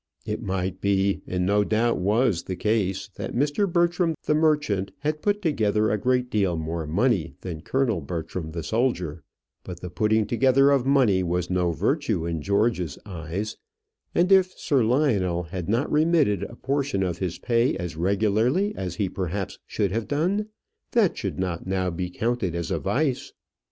It might be, and no doubt was the case, that Mr. Bertram the merchant had put together a great deal more money than Colonel Bertram the soldier; but the putting together of money was no virtue in George's eyes; and if Sir Lionel had not remitted a portion of his pay as regularly as he perhaps should have done, that should not now be counted as a vice.